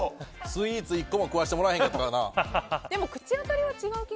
スイーツ１個も食わしてもらえへんかったからな。